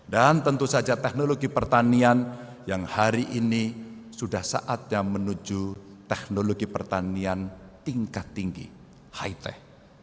dan tentu saja teknologi pertanian yang hari ini sudah saatnya menuju teknologi pertanian tingkat tinggi high tech